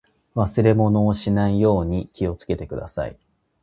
忘れ物をしないように気をつけてください。